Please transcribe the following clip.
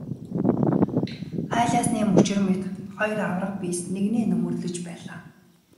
Хайлаасны мөчир мэт хоёр аварга биес нэгнээ нөмөрлөж байлаа.